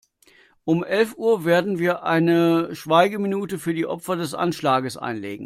Um elf Uhr werden wir eine Schweigeminute für die Opfer des Anschlags einlegen.